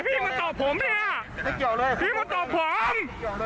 พี่มาตอบผมพี่มาตอบผม